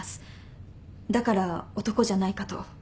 だから男じゃないかと。